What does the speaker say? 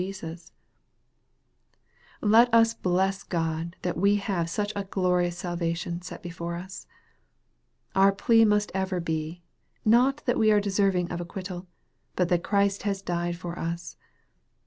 340 EXPOSITORY THOUGHTS. Let us bless God that we have such a glorious salvation set before us. Our plea must ever be, not that we are deserving of acquittal, but that Christ has died for us.